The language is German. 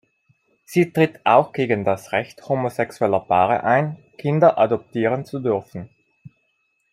Sie tritt auch gegen das Recht homosexueller Paare ein, Kinder adoptieren zu dürfen.